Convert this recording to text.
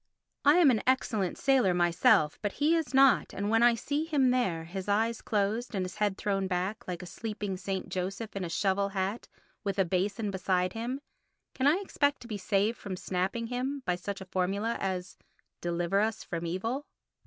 I am an excellent sailor myself, but he is not, and when I see him there, his eyes closed and his head thrown back, like a sleeping St. Joseph in a shovel hat, with a basin beside him, can I expect to be saved from snapping him by such a formula as "Deliver us from evil"?